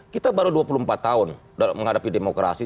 kita baru dua puluh empat tahun menghadapi demokrasi